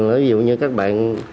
nếu như các bạn